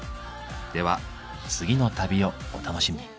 では次の旅をお楽しみに。